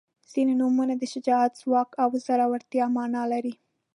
• ځینې نومونه د شجاعت، ځواک او زړورتیا معنا لري.